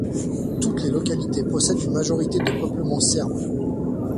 Toutes les localités possèdent une majorité de peuplement serbe.